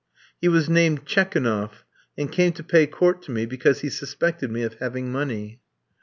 He was named Tchekounoff, and came to pay court to me, because he suspected me of having money.